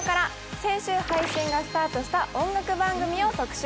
先週配信がスタートした音楽番組を特集。